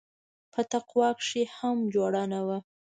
په تقوا کښې يې هم جوړه نه وه.